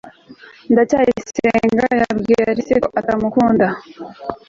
ndacyayisenga yabwiye alice ko atamukunda